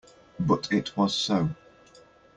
But it was so.